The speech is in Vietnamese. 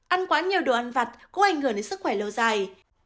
ăn quá nhiều đồ ăn vặt có ảnh hưởng đến sức khỏe lâu dài